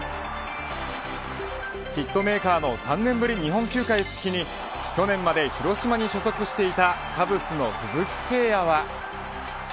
ヒットメーカーの３年ぶり日本球界復帰に去年まで広島に所属していたカブスの鈴木誠也は。